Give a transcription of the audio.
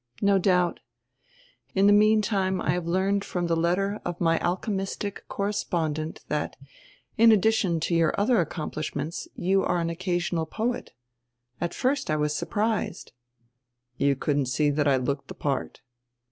"No doubt. In die meantime I have learned from die letter of my alchemistic correspondent diat, in addition to your other accomplishments, you are an occasional poet At first I was surprised." "You couldn't see diat I looked die part."